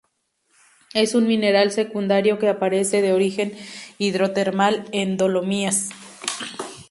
Es un mineral secundario que aparece de origen hidrotermal en dolomías.